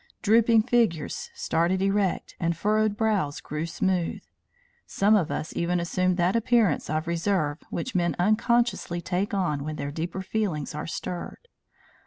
Drooping figures started erect and furrowed brows grew smooth. Some of us even assumed that appearance of reserve which men unconsciously take on when their deeper feelings are stirred.